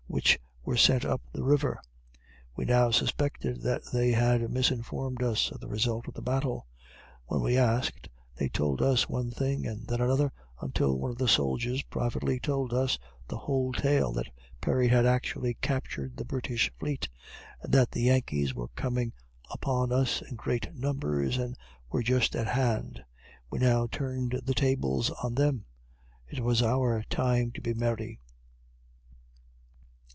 which were sent up the river. We now suspected that they had misinformed us of the result of the battle. When we asked, they told us one thing and then another, until one of the soldiers privately told us the whole tale that Perry had actually captured the British fleet and that the Yankees were coming upon us in great numbers, and were just at hand. We now turned the tables upon them it was our time to be merry.